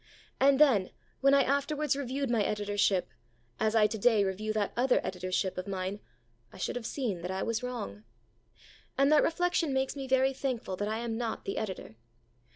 And then, when I afterwards reviewed my editorship, as I to day review that other editorship of mine, I should have seen that I was wrong. And that reflection makes me very thankful that I am not the editor.